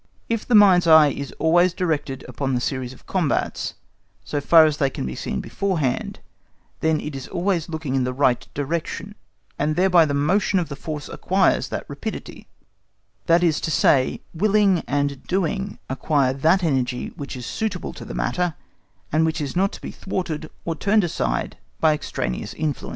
If the mind's eye is always directed upon the series of combats, so far as they can be seen beforehand, then it is always looking in the right direction, and thereby the motion of the force acquires that rapidity, that is to say, willing and doing acquire that energy which is suitable to the matter, and which is not to be thwarted or turned aside by extraneous influences.